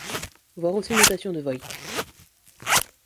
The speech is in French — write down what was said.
Voir aussi notation de Voigt.